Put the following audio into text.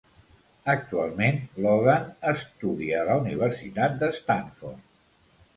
Actualment Logan estudia a la Universitat de Stanford.